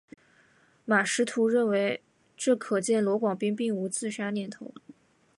马识途认为这可见罗广斌并无自杀念头。